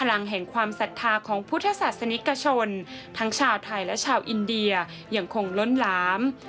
หลังแห่งความศรัทธาของพุทธศาสนิกชนทั้งชาวไทยและชาวอินเดียยังคงล้นหลาม